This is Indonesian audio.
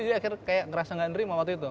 jadi akhirnya kaya ngerasa gak nerima waktu itu